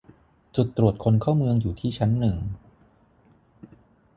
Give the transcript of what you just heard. จุดตรวจคนเข้าเมืองอยู่ที่ชั้นหนึ่ง